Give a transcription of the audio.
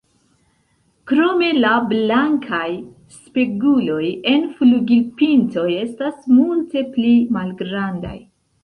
Krome la blankaj “speguloj” en flugilpintoj estas multe pli malgrandaj.